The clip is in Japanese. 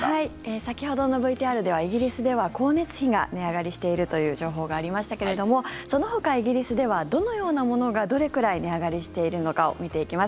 先ほどのＶＴＲではイギリスでは光熱費が値上がりしているという情報がありましたけれどもそのほかイギリスではどのようなものがどれくらい値上がりしているのかを見ていきます。